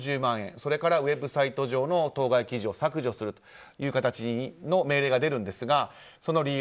それからウェブサイト上の当該記事を削除するという形の命令が出るんですが、その理由。